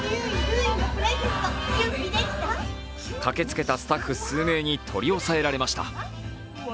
駆けつけたスタッフ数名に取り押さえられました。